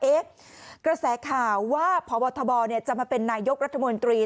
กระแสข่าวว่าพบทบจะมาเป็นนายกรัฐมนตรี